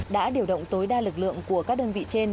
đã điều động tối đa lực lượng của các đơn vị trên